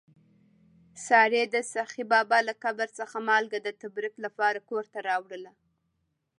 سارې د سخي بابا له قبر څخه مالګه د تبرک لپاره کور ته راوړله.